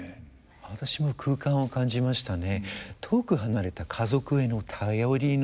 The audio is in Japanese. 私も空間を感じましたね。